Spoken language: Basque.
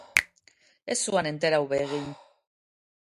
Ez zuan enterau be egin.